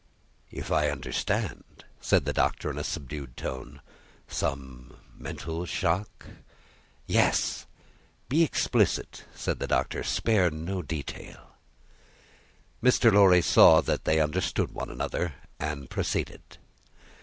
"If I understand," said the Doctor, in a subdued tone, "some mental shock ?" "Yes!" "Be explicit," said the Doctor. "Spare no detail." Mr. Lorry saw that they understood one another, and proceeded.